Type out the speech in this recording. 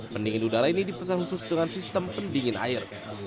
pendingin udara ini dipesan khusus dengan sistem pendingin air